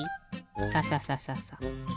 サササササ。